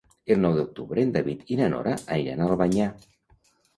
El nou d'octubre en David i na Nora aniran a Albanyà.